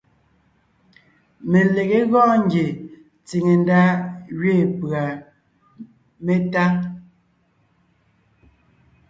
Melegé gɔɔn ngie tsìŋe ndá gẅiin pʉ̀a métá.